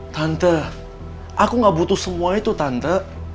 tante aku gak butuh semua itu tante